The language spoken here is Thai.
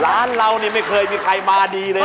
ร้านเรานี่ไม่เคยมีใครมาดีเลย